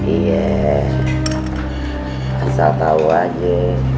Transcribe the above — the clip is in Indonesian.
iya asal tau aja